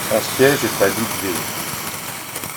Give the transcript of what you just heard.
Son siège est Leadville.